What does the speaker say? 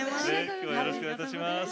今日はよろしくお願いいたします。